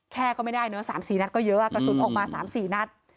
แค่ก็ไม่ได้เนอะสามสี่นัดก็เยอะอ่ะกระสุนออกมาสามสี่นัด